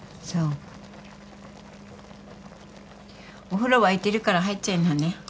お風呂沸いてるから入っちゃいなね。